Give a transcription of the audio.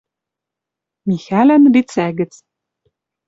Михӓлӓн лицӓ гӹц